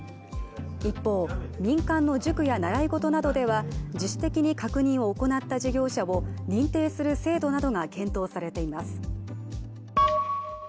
一方、民間の塾や習い事などでは、自主的に確認を行った事業者を認定する制度などが検討されています。